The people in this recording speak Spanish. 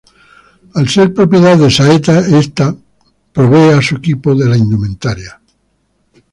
Al ser propiedad de Saeta, esta provee a su equipo de la indumentaria.